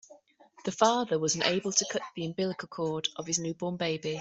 The father was unable to cut the umbilical cord of his newborn baby.